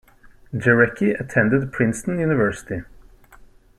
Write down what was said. Jarecki attended Princeton University.